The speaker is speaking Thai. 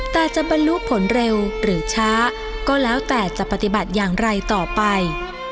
แต่จะบรรลุผลเร็วหรือช้าก็แล้วแต่จะปฏิบัติอย่างไรต่อไป